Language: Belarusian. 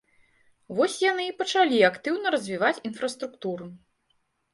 Вось яны і пачалі актыўна развіваць інфраструктуру.